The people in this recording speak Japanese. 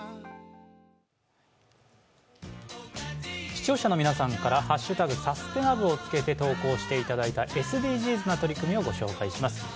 視聴者の皆さんから「＃サステナ部」をつけて投稿していただいたＳＤＧｓな取り組みを紹介します。